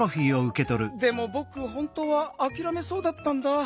でもぼく本とうはあきらめそうだったんだ。